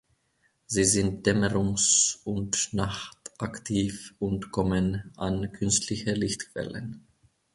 Sie sind dämmerungs- und nachtaktiv und kommen an künstliche Lichtquellen.